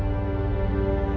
kamu sudah sampai jatuh